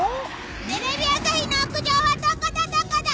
テレビ朝日の屋上はどこだ、どこだ！